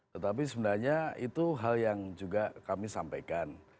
tetapi sebenarnya itu hal yang juga kami sampaikan